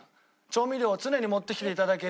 調味料を常に持ってきて頂ける。